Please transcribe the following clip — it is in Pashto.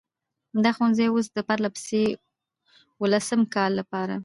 دا ښوونځی اوس د پرلهپسې اوولسم کال لپاره،